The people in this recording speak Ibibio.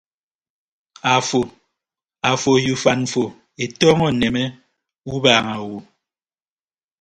Ado afo ye ufan mfo etọọñọ nneme ubaaña awo.